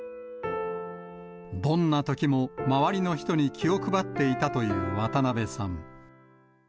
どんなときも周りの人に気を配っていたという渡辺さん。